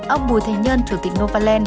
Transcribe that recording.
ông bùi thành nhân chủ tịch novaland